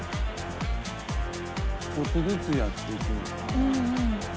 ちょっとずつやっていくのか。